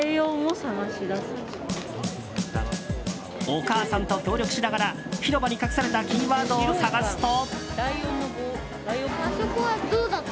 お母さんと協力しながら広場に隠されたキーワードを探すと。